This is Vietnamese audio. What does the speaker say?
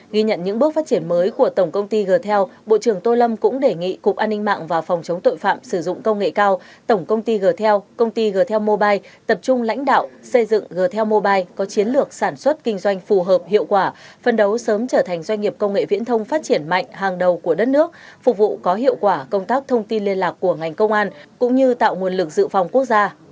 ghi nhận những bước phát triển mới của tổng công ty g tel bộ trưởng tô lâm cũng đề nghị cục an ninh mạng và phòng chống tội phạm sử dụng công nghệ cao tổng công ty g tel công ty g tel mobile tập trung lãnh đạo xây dựng g tel mobile có chiến lược sản xuất kinh doanh phù hợp hiệu quả phân đấu sớm trở thành doanh nghiệp công nghệ viễn thông phát triển mạnh hàng đầu của đất nước phục vụ có hiệu quả công tác thông tin liên lạc của ngành công an cũng như tạo nguồn lực dự phòng quốc gia